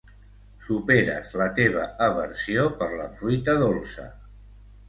Superes la teva aversió per la fruita dolça.